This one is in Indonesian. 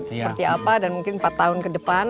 seperti apa dan mungkin empat tahun ke depan